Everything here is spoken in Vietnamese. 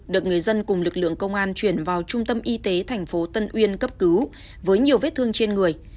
được người dân cùng lực lượng công an chuyển vào trung tâm y tế tp tân uyên cấp cứu với nhiều vết thương trên người